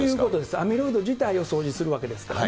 アミロイド自体を掃除するわけですから。